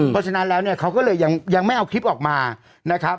เพราะฉะนั้นแล้วเนี่ยเขาก็เลยยังไม่เอาคลิปออกมานะครับ